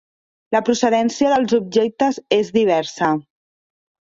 La procedència dels objectes és diversa: